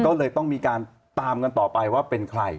ก็เลยต้องมีการตามกันต่อไปว่าเป็นใคร